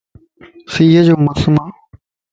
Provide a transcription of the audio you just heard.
سيءَ جو موسم ا